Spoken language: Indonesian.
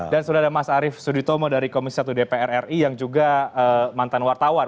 dan sudah ada mas arief suditomo dari komisi satu dpr ri yang juga mantan wartawan